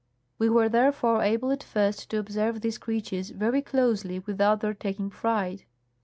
We were, therefore, able at first to observe these creatures very closely without their taking fright.